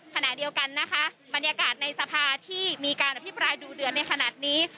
ขณะเดียวกันนะคะบรรยากาศในสภาที่มีการอภิปรายดูเดือดในขณะนี้